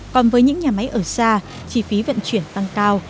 còn với những nhà máy ở xa chi phí vận chuyển tăng cao